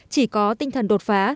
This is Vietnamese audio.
chỉ có tinh thần đột phản